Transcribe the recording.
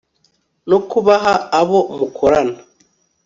no kubaha abo mukorana